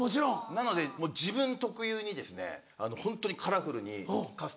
なので自分特有にホントにカラフルにカスタマイズして。